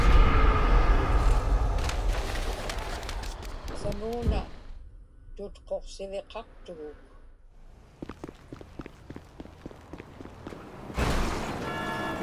samuuna tutquqsiviqaqtuguk